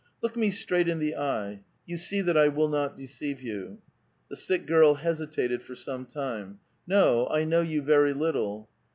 " Look me straight in the eye ; you see that I will not deceive you." The sick giil hesitated for some time. *' No ; I know you ver}^ little."